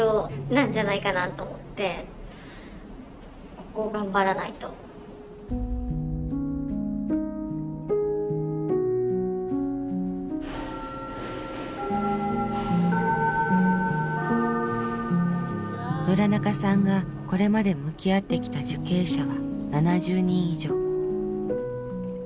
それやっていくと村中さんがこれまで向き合ってきた受刑者は７０人以上。